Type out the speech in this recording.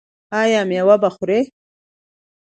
ایا میوه به خورئ؟